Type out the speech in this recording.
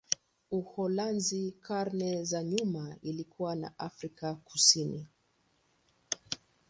Uholanzi karne za nyuma ilikuwa na Afrika Kusini.